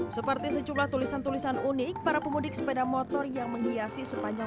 seperti sejumlah tulisan tulisan unik para pemudik sepeda motor yang menghiasi sepanjang